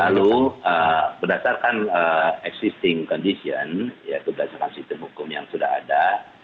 lalu berdasarkan existing condition yaitu berdasarkan sistem hukum yang sudah ada